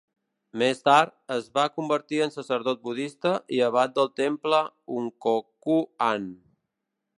Més tard, es va convertir en sacerdot budista i abat del temple Unkoku-an.